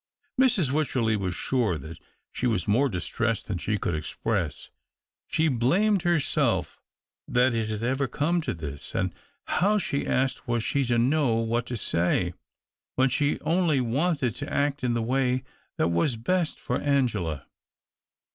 Mrs. Wycherley was sure that she was more distressed than she could express. She blamed herself that it had ever come to this ; and how, she asked, was she to know what to say, when she only wanted to act in the way that was best for Angela?